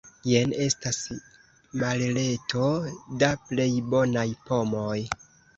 Jen estas bareleto da plej bonaj pomoj.